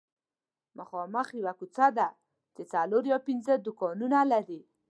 مخامخ یوه کوڅه ده چې څلور یا پنځه دوکانونه لري